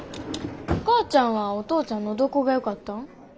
お母ちゃんはお父ちゃんのどこがよかったん？